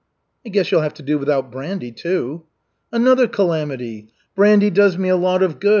"I guess you'll have to do without brandy, too." "Another calamity. Brandy does me a lot of good.